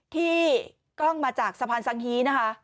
กล้องมาจากสะพานสังฮีนะคะ